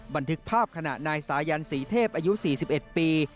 บันทึกภาพขณะนายสายันศรีเทพอายุ๔๑ปี